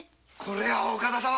これはお方様。